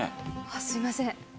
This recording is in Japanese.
あっすいません。